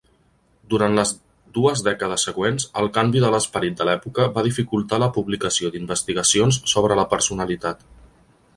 Durant les dees dècades següents, el canvi de l'esperit de l'època va dificultar la publicació d'investigacions sobre la personalitat.